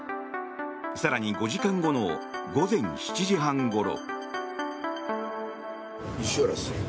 更に５時間後の午前７時半ごろ。